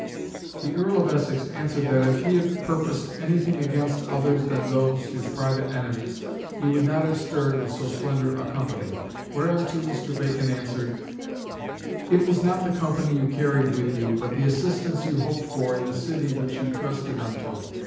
"The Earl of Essex answered that if he had purposed anything against others than those his private enemies, he would not have stirred with so slender a company. Whereunto Mr. Bacon answered: "'It was not the company you carried with you but the assistance you hoped for in the City which you trusted unto.